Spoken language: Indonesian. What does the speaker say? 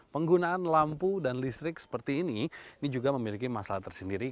penggunaan lampu dan listrik seperti ini ini juga memiliki masalah tersendiri